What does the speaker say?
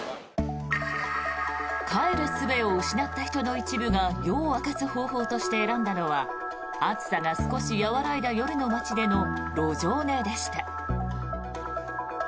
帰るすべを失った人の一部が夜を明かす方法として選んだのは暑さが少し和らいだ夜の街での路上寝でした。